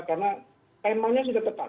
karena temanya sudah tepat